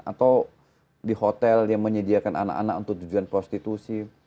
atau di hotel yang menyediakan anak anak untuk tujuan prostitusi